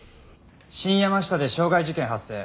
新山下で傷害事件発生。